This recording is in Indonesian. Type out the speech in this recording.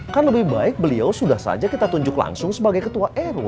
kan lebih baik beliau sudah saja kita tunjuk langsung sebagai ketua rw